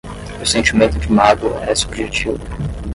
O sentimento de mágoa é subjetivo